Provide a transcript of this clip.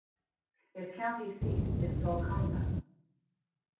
Its county seat is Golconda.